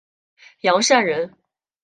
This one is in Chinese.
杨善人。